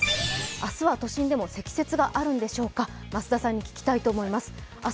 明日は都心でも積雪があるんでしょうか、増田さんに聞きたいと思います。